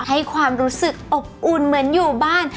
ให้ความรู้สึกอบอุ่นเหมือนอยู่บ้าน